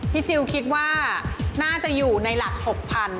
พี่จิลคิดว่าน่าจะอยู่ในหลัก๖๐๐๐๐๐๐